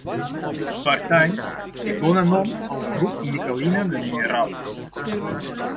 Pertany i dóna nom al grup niquelina de minerals.